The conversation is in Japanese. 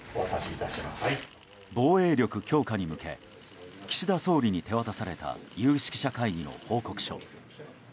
防衛力強化に向け岸田総理に手渡された有識者会議の報告書。